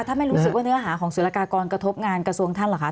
ไม่รู้สึกว่าเนื้อหาของสุรกากรกระทบงานกระทรวงท่านเหรอคะ